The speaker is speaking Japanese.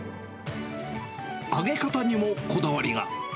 揚げ方にもこだわりが。